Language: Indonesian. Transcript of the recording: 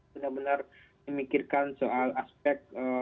benar benar memikirkan soal aspek